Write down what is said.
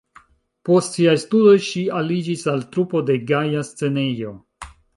Post siaj studoj ŝi aliĝis al trupo de "Gaja Scenejo".